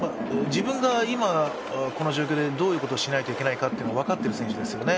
自分が今、この状況でどういうことをしないといけないかというのを分かっている選手ですよね。